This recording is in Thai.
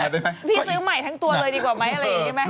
พี่ซื้อใหม่ทั้งตัวเลยดีกว่าไหม